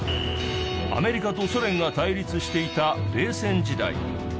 アメリカとソ連が対立していた冷戦時代。